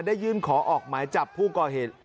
ยื่นขอออกหมายจับผู้ก่อเหตุ